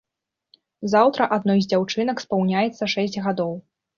Заўтра адной з дзяўчынак спаўняецца шэсць гадоў.